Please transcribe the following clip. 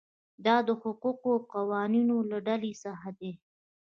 دا د حقوقي قوانینو له ډلې څخه دي.